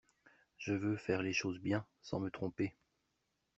Je veux faire les choses bien, sans me tromper.